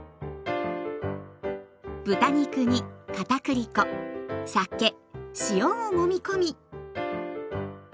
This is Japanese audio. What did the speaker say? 豚肉に片栗粉酒塩をもみ込み。